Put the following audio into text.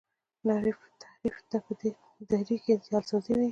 تحریف ته په دري کي جعل سازی وايي.